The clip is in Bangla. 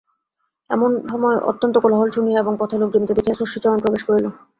এমন সময় অত্যন্ত কোলাহল শুনিয়া এবং পথে লোক জমিতে দেখিয়া ষষ্ঠীচরণ প্রবেশ করিল।